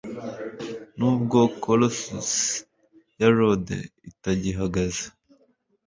nubwo colosus ya rhodes itagihagaze